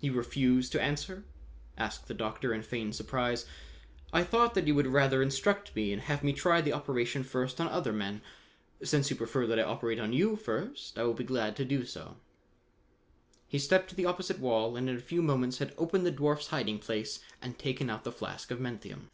"You refuse to answer?" asked the Doctor in feigned surprise. "I thought that you would rather instruct me and have me try the operation first on other men. Since you prefer that I operate on you first, I will be glad to do so." He stepped to the opposite wall and in a few moments had opened the dwarf's hiding place and taken out the flask of menthium.